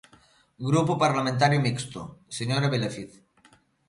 Grupo Parlamentario Mixto, señora Vilafiz.